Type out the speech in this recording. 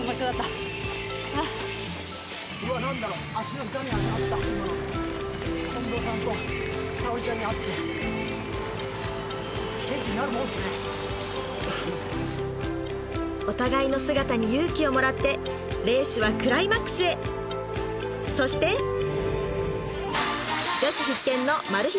脚痛いのはうわっ何だろ元気になるもんっすねお互いの姿に勇気をもらってレースはクライマックスへそして女子必見のマル秘